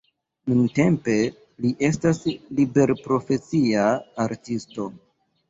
Nuntempe li estas liberprofesia artisto.